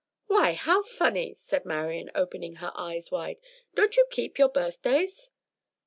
"Why, how funny!" cried Marian, opening her eyes wide. "Don't you keep your birthdays?"